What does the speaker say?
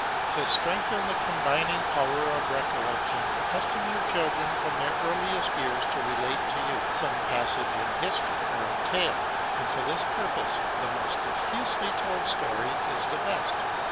To strengthen the combining power of the recollection, RECOLLECTION. 373 accustom your children from their earliest years to relate to you some passage in history, or a tale ; and for this purpose the most diffusely told story is the best.